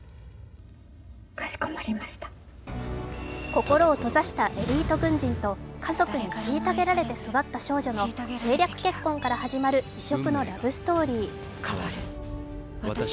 心を閉ざしたエリート軍人と、家族に虐げられて育った少女の政略結婚から始まる異色のラブストーリー。